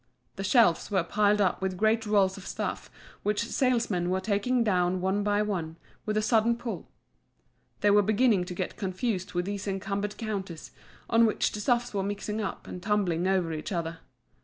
The shelves were piled up with great rolls of stuff which the salesmen were taking down one by one, with a sudden pull. They were beginning to get confused with these encumbered counters, on which the stuffs were mixing up and tumbling over each other.